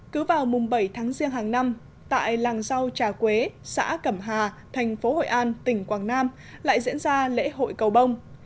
cứ vào mùng bảy tháng riêng hàng năm tại làng rau trà quế xã cẩm hà thành phố hội an tỉnh quảng nam lại diễn ra lễ hội cầu bông